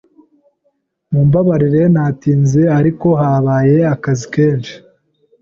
Mumbabarire natinze, ariko habaye akazi kenshi.